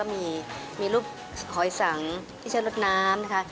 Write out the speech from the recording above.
มีรูปหอยสังที่ชัดลดน้ำ